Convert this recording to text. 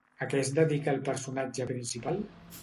A què es dedica el personatge principal?